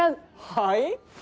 はい？